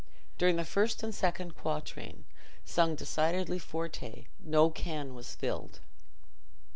During the first and second quatrain, sung decidedly forte, no can was filled.